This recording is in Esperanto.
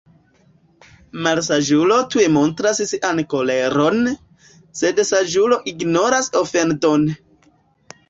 Malsaĝulo tuj montras sian koleron; Sed saĝulo ignoras ofendon.